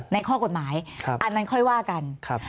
ข้อกฎหมายอันนั้นค่อยว่ากัน